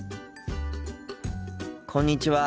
こんにちは。